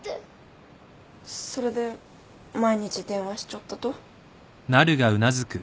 それで毎日電話しちょったと？